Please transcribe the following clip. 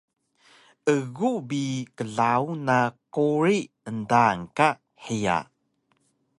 Egu bi klaun na quri endaan ka hiya